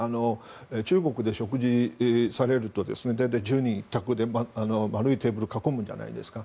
中国で食事をされると大体１０人くらいで丸いテーブルを囲むじゃないですか。